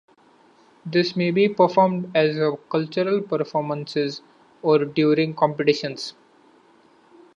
This maybe performed as a cultural performances or during competitions.